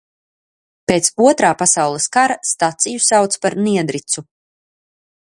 Pēc Otrā pasaules kara staciju sauc par Niedricu.